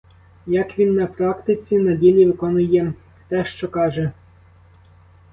Як він на практиці, на ділі виконує те, що каже.